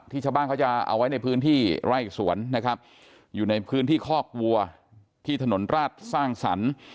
ชาวบ้านเขาจะเอาไว้ในพื้นที่ไร่สวนนะครับอยู่ในพื้นที่คอกวัวที่ถนนราชสร้างสรรค์